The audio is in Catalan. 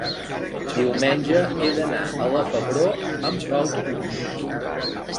diumenge he d'anar a la Febró amb autobús.